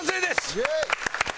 イエイ！